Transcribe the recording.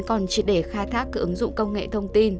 còn chỉ để khai thác các ứng dụng công nghệ thông tin